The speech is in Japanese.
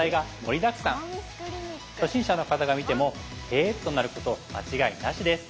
初心者の方が見ても「へぇ」となること間違いなしです。